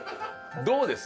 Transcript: どうです？